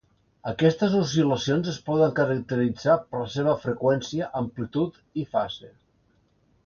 Aquestes oscil·lacions es poden caracteritzar per la seva freqüència, amplitud i fase.